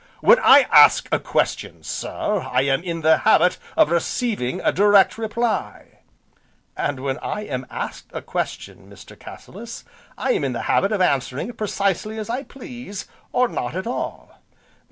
"When I ask a question, sir, I am in the habit of receiving a direct reply, " "And when I am asked a question, Mr. Cassilis, I am in the habit of answering it precisely as I please, or not at all."